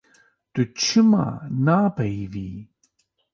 Tu çima napeyivî.